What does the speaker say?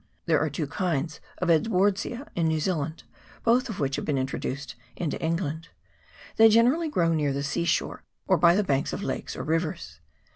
There are two kinds of Edwardsia in New Zealand, both of which have been introduced into England : they generally grow near the sea shore, or by the banks of lakes or rivers.